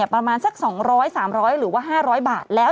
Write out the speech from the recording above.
ประมาณสัก๒๐๐๓๐๐หรือว่า๕๐๐บาทแล้ว